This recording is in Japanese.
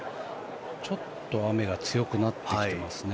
ちょっと雨が強くなってきてますね。